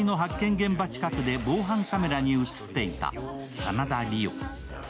現場近くで防犯カメラに映っていた真田梨央。